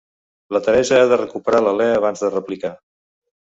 La Teresa ha de recuperar l'alè abans de replicar.